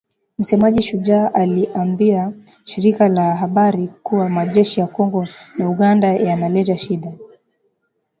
Msemaji Shujaa aliliambia shirika la habari kuwa majeshi ya Kongo na Uganda yanaleta shida